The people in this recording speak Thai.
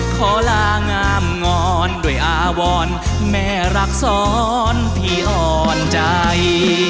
ขอลางามงอนด้วยอาวรแม่รักษรพี่อ่อนใจ